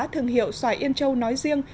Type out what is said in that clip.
thương hiệu xoài yên châu nói riêng